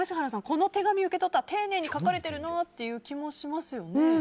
この手紙を受け取ったら丁寧に書かれているなという気もしますよね。